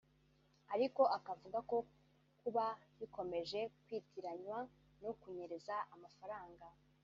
ariko akavuga ko kuba bikomeje kwitiranywa no kunyereza amafaranga